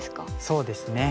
そうですね。